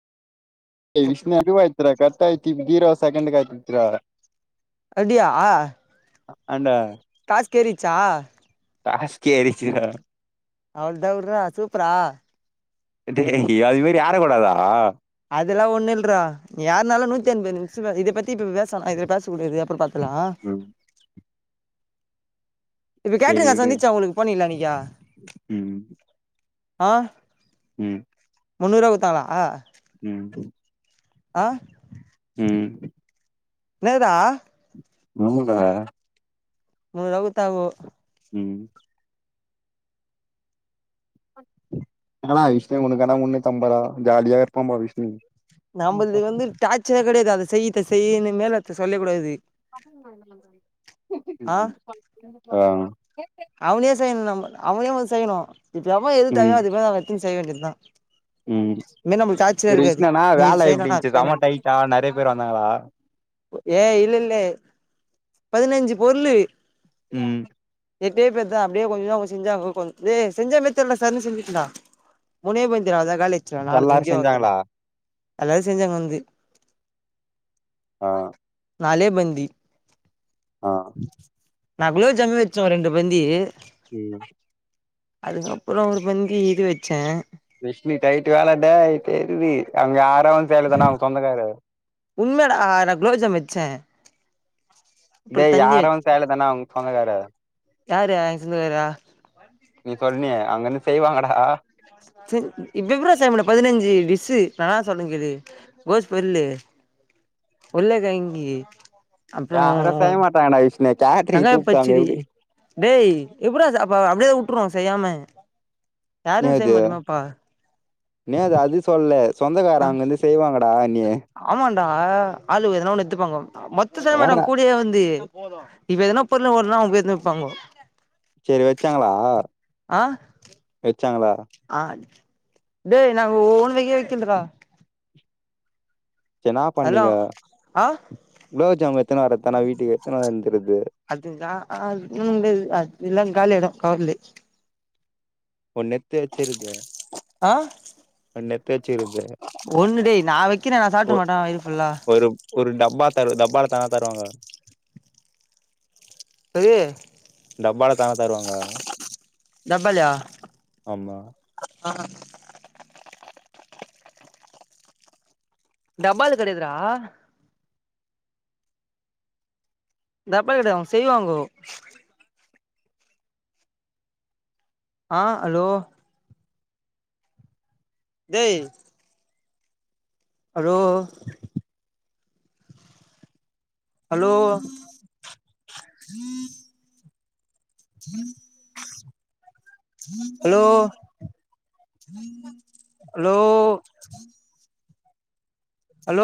[unintelligible] second call [unintelligible] அப்டியா அக்கண்டா தேரிச்சா [unintelligible] அவள்தா உற்ற சூப்பராா டேய் அது மேறி யார கூடதா இதல்லாம் ஒன்ன இ யானால நூிஐது நிமிஷம் இத பத்தி பேசல பேசடியாது [unintelligible] பாத்துகலா இப்ப கேட்டுருங் காசு வந்திச்சா உங்களுக்கு போண்ணிங்கலே அண்ணைக ஆ ம் முன்னூரூபா கொடுத்தாங்களா ம் ஆ உஹம் என்னதா [unintelligible] முணூரூபா குடுத்தா போதும் ம் நா அ விஷ்ணு உக்கனா முண்ணு அம்பராா ஜாலியா இருப்பா அ விஷ்ணு நம்ம வந்து டார்ச்சர் கெடையாது அத செய்யத்த செய்யன்னு மேல சொல்ல கூடாது ஆ ஆ அவனே செய்யணும் நம்ம அவனேம் செய்யணும் [unintelligible] செய்ய வேண்டியது தான் உஹம் ச விஷனனா நீ இது வேல செய்யணுனா அது எப்டிச்சு சமா செய்யணுன்ட்டு டைட்டா நெறைய பேர் வந்தாங்களா ஏ இல்ல இல்ல பதினஞ்சு பொருள் ம் எட்டே பேர் தான் அப்டியே கொஞ்சம் தான் அவங்க செஞ்சாங்க்ச செஞ்சாே தெரியல சார்ன்னு செஞ்சுலாம் முனே பந்துரா காலி எல்லாரும் செஞ்சாங்களா எல்லாரும் செஞ்சாங்க வந்து ஆஹ் நாளே பந்தி ஆஹ் நா குள்ளே ஜம்மி வச்சோம் ரெண்டு பந்தி ம் அதுக்கப்பறம் ஒரு பந்தி இது வச்சேன் கஷ்ணி யட்டு வேளாட தெரியது அவங்க வந்து சேலத்தானா அவங்க சொந்தக்காரு உண்மயட நான் குளோஜம் வச்சேன் இதே யார வ சலதானா அவங்க சொந்தக்கரு யரு அசந்து பேரா நீ சொல்லிய அங்கன்னு செய்வாங்கடா விவரோ செய் பதினஞ்சு விசு நா சொல்லேன்ங்கேது கோஸ் பொரு உருள்ளக்கங்கி யார சய மாட்டாங்கடா விஷ்னே காயத்தற வெங்காய கூப்பிட்டாங்க பச்சடி எப்டி டேய் எப்படற அப்ப அப்டியேதான் விட்டுருவோம் செய்யாம யாரு அ என் அது அது சொல்லல சொந்தக்காரம் அங்கிருந்து செய்வாங்கடா இ நீ ஆஹ் ஆளுக்கு எதன ஒன்னு எத்துப்பாங்கோ மொத்த சரி மேடம் வர்றா கூடியே வந்து போது இப்ப எதனா பொருள வனா அவங்க எதன எத்துப்பாங்கோ சரி வச்சாங்களா ஆஹ் வச்சாங்களா ஆ டேய் நாங்க ஓன் வக வக்கிதுல்லடா என்னா பண்ணீங்க ஆ குலோ ஜாமன் எதுன்னு வரத்தான வீட்டுக்கு எடுத்துனு அதுதான் ஆஹ் ஆ ம் அது எல்லாம் காளியாய்டும் காலே ஒன்னு எத்து வெச்சுறது ஆஹ ஒண்ணு டே நான் வக்கிறேன் நான் சாப்பிட மாட்ட வருயிப்ல்லா ஒரு ஒரு டப்பா தரு தப்பால தானா தருவாங்க [unintelligible] டப்பால தான தருவாங்க டப்பலாயா ஆமா ஆஹ டப்பால கெடயதுடா தப்பா கெடயது அவங்க செய்வாங்களோ ஆஹ் ஹலோ டேய் hello hello hello hello hello